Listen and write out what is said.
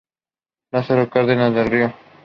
Lázaro Cárdenas del Río.